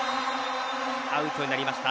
アウトになりました。